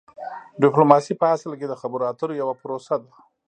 ډیپلوماسي په اصل کې د خبرو اترو یوه پروسه ده